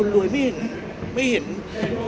พี่อัดมาสองวันไม่มีใครรู้หรอก